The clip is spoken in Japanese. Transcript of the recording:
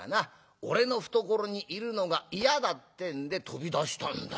俺の懐にいるのが嫌だってんで飛び出したんだよ。